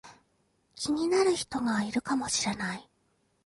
気になる人がいるかもしれない